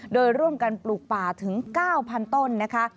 โดยร่วมกันปลูกป่าถึง๙๐๐ต้นนะคะ